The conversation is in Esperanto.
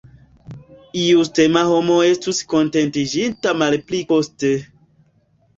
Justema homo estus kontentiĝinta malpli koste.